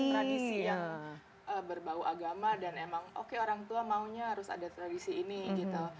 ada tradisi yang berbau agama dan emang oke orang tua maunya harus ada tradisi ini gitu